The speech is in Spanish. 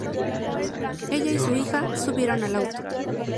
Ella y su hija subieron al auto.